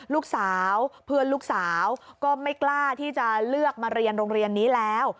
ลูกสาวเพื่อนลูกสาวก็ไม่กล้าที่จะเลือกมาเรียนโรงเรียนนี้แล้ว